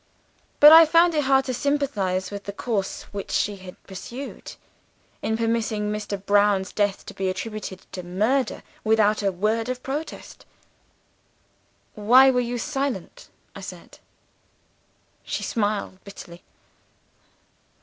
But I found it hard to sympathize with the course which she had pursued, in permitting Mr. Brown's death to be attributed to murder without a word of protest. 'Why were you silent?' I said. "She smiled bitterly.